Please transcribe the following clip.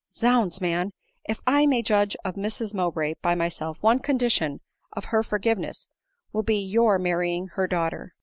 Zounds, man, if I may Judge of Mrs Mowbray by myself, one condition of her forgiveness will be your mar rying her daughter."